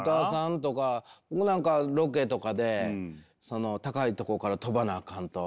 僕なんかロケとかで高いとこから飛ばなあかんと。